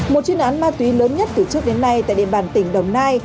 một chuyên án ma túy lớn nhất từ trước đến nay tại địa bàn tỉnh đồng nai